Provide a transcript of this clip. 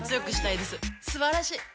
すばらしい！